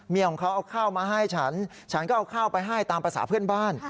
ของเขาเอาข้าวมาให้ฉันฉันก็เอาข้าวไปให้ตามภาษาเพื่อนบ้าน